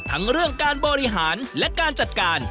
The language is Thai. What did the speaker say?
ทั้งเรื่องการบริหารและการจัดการ